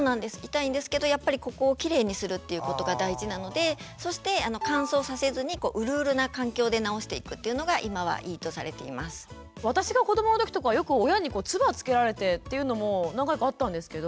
痛いんですけどやっぱりここをきれいにするっていうことが大事なのでそして私が子どもの時とかはよく親につばをつけられてっていうのも何回かあったんですけど。